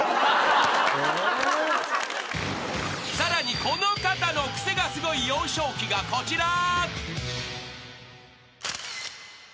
［さらにこの方のクセがスゴい幼少期がこちら］